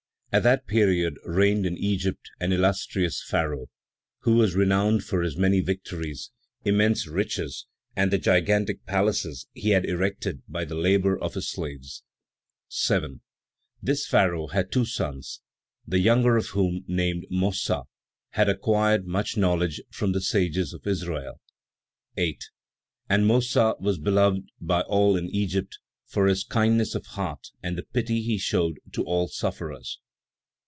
At that period reigned in Egypt an illustrious Pharaoh, who was renowned for his many victories, immense riches, and the gigantic palaces he had erected by the labor of his slaves. 7. This Pharaoh had two sons, the younger of whom, named Mossa, had acquired much knowledge from the sages of Israel. 8. And Mossa was beloved by all in Egypt for his kindness of heart and the pity he showed to all sufferers.